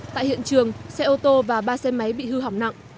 tại hiện trường xe ô tô và ba xe máy bị hư hỏng nặng